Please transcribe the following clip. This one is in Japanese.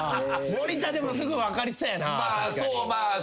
森田すぐ分かりそうやな。